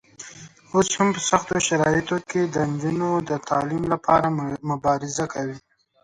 اوس هم په سختو شرایطو کې د نجونو د تعلیم لپاره مبارزه کوي.